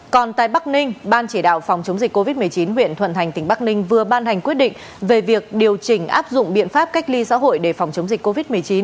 còn tại bắc ninh ban chỉ đạo phòng chống dịch covid một mươi chín huyện thuận thành tỉnh bắc ninh vừa ban hành quyết định về việc điều chỉnh áp dụng biện pháp cách ly xã hội để phòng chống dịch covid một mươi chín